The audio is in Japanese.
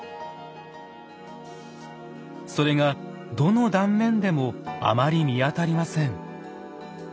それがどの断面でもあまり見当たりません。